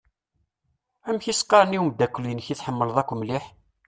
Amek i s-qqaṛen i umdakel-inek i tḥemmleḍ akk mliḥ.